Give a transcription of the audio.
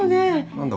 何だ？